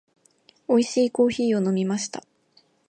美味しいコーヒーを飲みました。